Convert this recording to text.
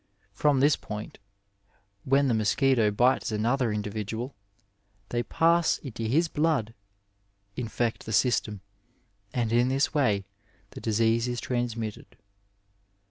From this point, when the mosquito bites another in dividual, they pass into his blood, infect the Bjstem, and in this way the disease is transmitted.